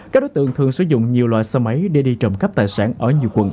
các đối tượng thường sử dụng nhiều loại xe máy để đi trộm cắp tài sản ở nhiều quận